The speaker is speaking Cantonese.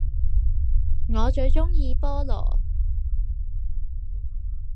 我最鍾意菠蘿